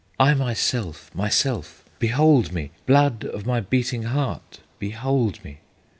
"I myself, myself! behold me! Blood of my beating heart, behold me!